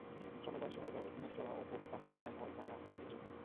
সমবয়সি হইলেও মুখচোরা অপু তাহাতে আরও ভয় পাইয়া কাছে ঘেষে না।